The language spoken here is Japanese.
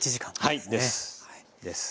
です。